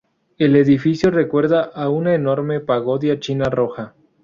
El edificio recuerda a una enorme pagoda china roja.